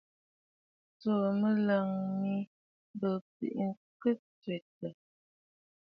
Tsuu mɨlɔ̀ʼɔ̀ mɨ bə̂ bîmɔʼɔ kɨ twitə̂.